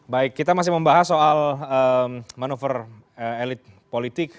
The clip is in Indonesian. baik kita masih membahas soal manuver elit politik